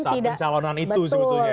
saat pencalonan itu sebetulnya